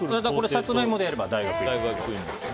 サツマイモでやれば大学芋です。